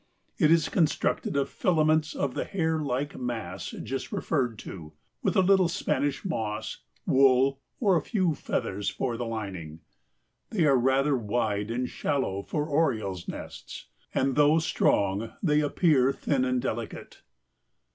It is constructed of filaments of the hair like mass just referred to, with a little Spanish moss, wool, or a few feathers for the lining. They are rather wide and shallow for orioles' nests, and though strong they appear thin and delicate."